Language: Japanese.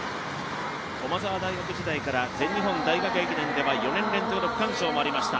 駒澤大学時代から全日本大学駅伝では４年連続の区間賞もありました。